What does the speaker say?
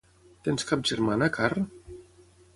Tens cap germana, Carr?